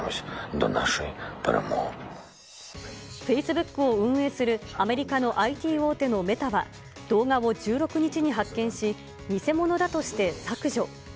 フェイスブックを運営するアメリカのＩＴ大手のメタは、動画を１６日に発見し、偽物だとして削除。